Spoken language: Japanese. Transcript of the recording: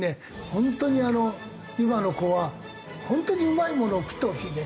本当に今の子は本当にうまいものを食ってほしいね。